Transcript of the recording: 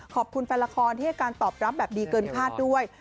ขอบคุณแฟนละครที่ให้การตอบรับแบบดีเกินคาดด้วย